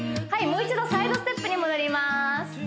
もう一度サイドステップに戻ります